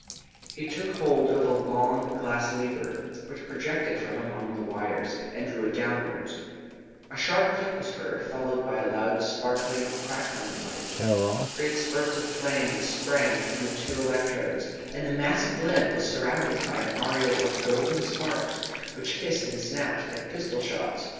He took hold of a long glass lever which projected from among the wires, and drew it downwards. A sharp click was heard, followed by a loud, sparkling, crackling noise. Great spurts of flame sprang from the two electrodes, and the mass of lead was surrounded by an aureole of golden sparks, which hissed and snapped like pistol shots.